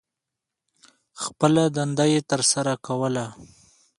خپله دنده یې تر سرہ کوله.